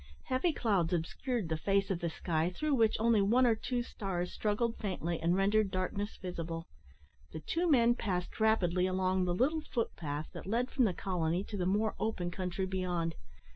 Heavy clouds obscured the face of the sky, through which only one or two stars struggled faintly, and rendered darkness visible. The two men passed rapidly along the little footpath that led from the colony to the more open country beyond.